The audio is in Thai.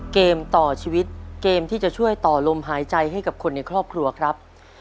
เกมต่อชีวิตเกมที่จะช่วยต่อลมหายใจให้กับคนในครอบครัวครับ